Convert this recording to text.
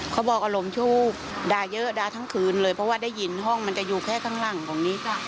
เขาบอกอารมณ์ชูบด่าเยอะด่าทั้งคืนเลยเพราะว่าได้ยินห้องมันจะอยู่แค่ข้างหลังของนี้จ้ะ